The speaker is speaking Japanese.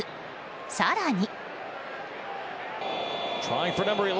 更に。